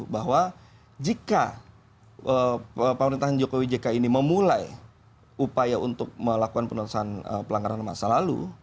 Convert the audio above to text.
bahwa jika pemerintahan jokowi jk ini memulai upaya untuk melakukan penutusan pelanggaran masa lalu